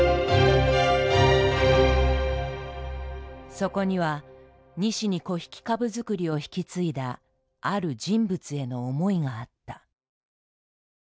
そこには西に木引かぶ作りを引き継いだある人物への思いがあった。